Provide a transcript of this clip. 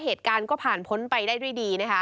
เหตุการณ์ก็ผ่านพ้นไปได้ด้วยดีนะคะ